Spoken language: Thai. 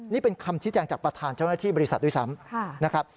นี่เป็นคำชี้แจงจากประธานเจ้าหน้าที่บริษัทด้วยซ้ำนะครับ